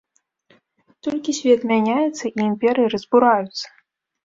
Толькі свет мяняецца і імперыі разбураюцца!